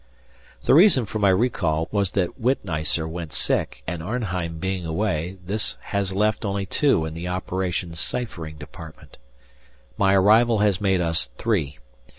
The reason for my recall was that Witneisser went sick and Arnheim being away, this has left only two in the operations ciphering department. My arrival has made us three.